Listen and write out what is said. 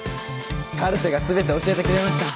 カルテが全て教えてくれました！